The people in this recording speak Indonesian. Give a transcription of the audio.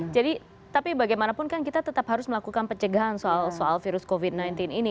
jadi tapi bagaimanapun kan kita tetap harus melakukan pencegahan soal virus covid sembilan belas ini